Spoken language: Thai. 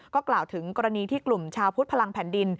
ก็กล่าวถึงกรณีที่กลุ่มชาวพุทธพลังแผ่นดิน